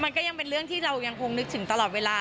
มันก็ยังเป็นเรื่องที่เรายังคงนึกถึงตลอดเวลา